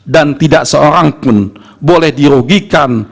dan tidak seorang pun boleh diuntungkan